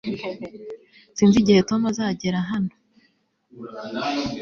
sinzi igihe tom azagera hano